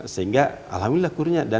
sehingga alhamdulillah kur nya